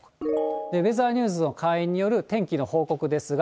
ウェザーニューズの会員による天気の報告ですが。